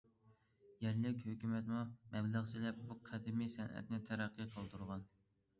يەرلىك ھۆكۈمەتمۇ مەبلەغ سېلىپ، بۇ قەدىمىي سەنئەتنى تەرەققىي قىلدۇرغان.